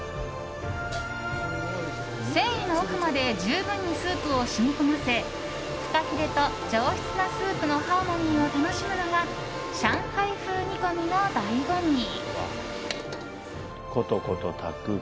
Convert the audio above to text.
繊維の奥まで十分にスープを染み込ませフカヒレと上質なスープのハーモニーを楽しむのが上海風煮込みの醍醐味。